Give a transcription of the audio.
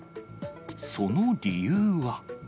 その理由は。